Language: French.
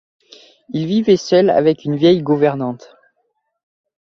Il vivait seul avec une vieille gouvernante.